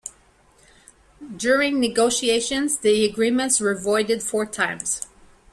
During negotiations, the agreements were voided four times.